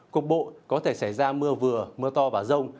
cục bộ có thể xảy ra mưa vừa mưa to và rông